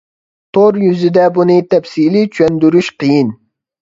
تور يۈزىدە بۇنى تەپسىلىي چۈشەندۈرۈش قىيىن.